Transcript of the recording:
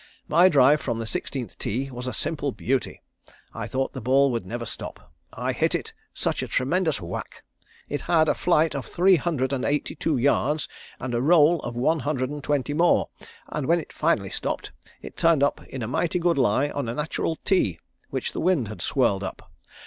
My drive from the sixteenth tee was a simple beauty. I thought the ball would never stop, I hit it such a tremendous whack. It had a flight of three hundred and eighty two yards and a roll of one hundred and twenty more, and when it finally stopped it turned up in a mighty good lie on a natural tee, which the wind had swirled up.